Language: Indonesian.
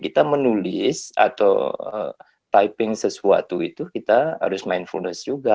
kita menulis atau typing sesuatu itu kita harus mindfulness juga